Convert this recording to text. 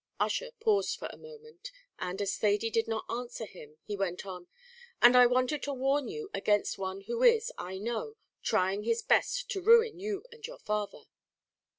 Ussher paused for a moment; and as Thady did not answer him, he went on "and I wanted to warn you against one who is, I know, trying his best to ruin you and your father."